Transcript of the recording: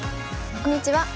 こんにちは。